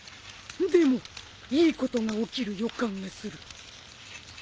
でもいいことが起きる予感がする。